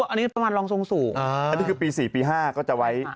อันนี้ประมาณรองทรงสูงอันนี้คือปี๔ปี๕ก็จะไว้